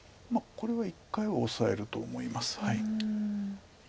これは一回オサえると思います。